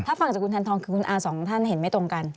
ถ้าฟังจากคุณแทนทองคือคุณอาสองท่านเห็นไม่ตรงกัน